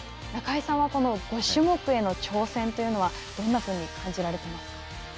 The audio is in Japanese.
中井さんは５種目への挑戦というのはどんなふうに感じられていますか。